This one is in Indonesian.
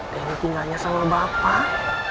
danny tinggalnya sama bapak